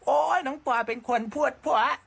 โอ๊ยน้องกว่าเป็นคนพวดผวะ